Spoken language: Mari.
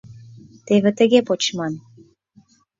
- Теве тыге почман